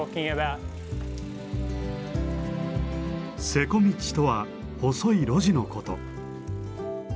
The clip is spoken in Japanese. せこ道とは細い路地のこと。